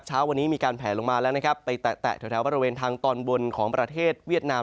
เช้าวันนี้มีการแผลลงมาแล้วนะครับไปแตะแถวบริเวณทางตอนบนของประเทศเวียดนาม